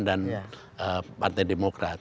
dan partai demokrat